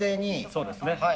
そうですね。